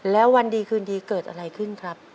แล้ววันดีคืนดีเกิดอะไรขึ้นครับ